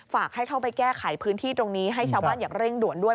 ฝากให้เข้าไปแก้ไขพื้นที่ตรงนี้ให้ชาวบ้านอย่างเร่งด่วนด้วย